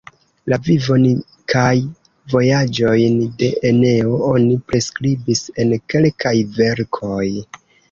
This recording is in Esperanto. La vivon kaj vojaĝojn de Eneo oni priskribis en kelkaj verkoj.